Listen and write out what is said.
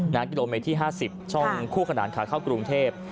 นางกิโลเมธี๕๐ช่องคู่ขนาดขาข้าวกรุงเทพ